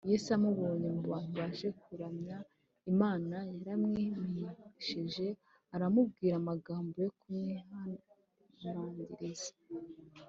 . Yesu amubonye mu bantu baje kuramya Imana yaramwimenyesheje anamubwira amagambo yo kumwihanangiriza